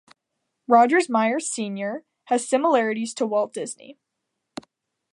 Roger Meyers Senior has similarities to Walt Disney.